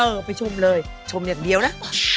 ไปชมเลยชมอย่างเดียวนะ